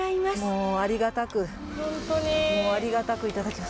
もうありがたくありがたくいただきます。